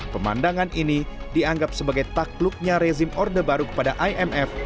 pemandangan ini dianggap sebagai takluknya rezim orde baru kepada imf